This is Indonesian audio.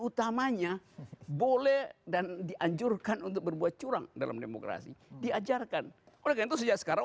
utamanya boleh dan dianjurkan untuk berbuat curang dalam demokrasi diajarkan oleh karena itu sejak sekarang